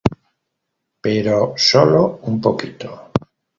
Pero solo un poquito.